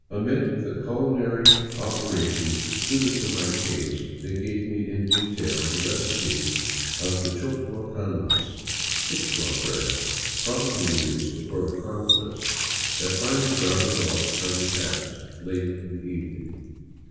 Amid the culinary operations suited to my case they gave me in detail the recipe of the choclo tandas — Quichua bread, probably used before the Conquest — that finally rounded off our repast late in the evening.